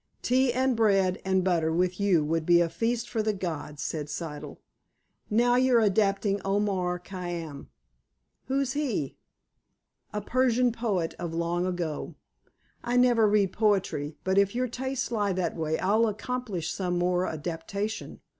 "Tea and bread and butter with you would be a feast for the gods," said Siddle. "Now you're adapting Omar Khayyam." "Who's he?" "A Persian poet of long ago." "I never read poetry. But, if your tastes lie that way, I'll accomplish some more adaptation."